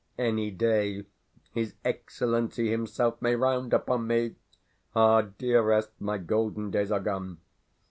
Any day his Excellency himself may round upon me. Ah, dearest, my golden days are gone.